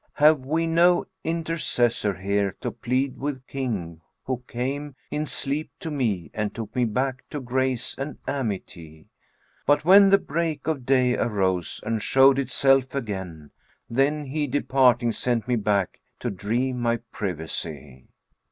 Have we no intercessor here to plead with King, who came * In sleep to me and took me back to grace and amity; But when the break of day arose and showed itself again, * Then he departing sent me back to dree my privacy?"